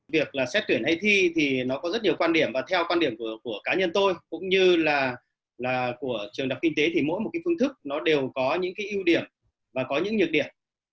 việc là xét tuyển hay thi thì nó có rất nhiều quan điểm và theo quan điểm của cá nhân tôi cũng như là của trường đạp kinh tế thì mỗi một cái phương thức nó đều có những cái ưu điểm và có những nhược điểm